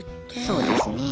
そうですね。